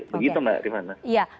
begitu mbak gimana